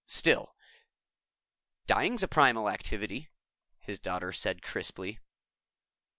Still " "Dying's a primal activity," his daughter said crisply.